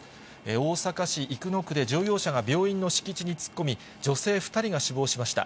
大阪市生野区で乗用車が病院の敷地に突っ込み、女性２人が死亡しました。